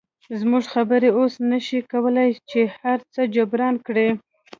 زموږ خبرې اوس نشي کولی چې هرڅه جبران کړي